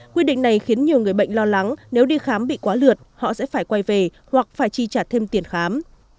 quy định này khiến nhiều người bệnh lo lắng nếu đi khám bị quá lượt họ sẽ phải quay về hoặc phải chi trả thêm tiền khám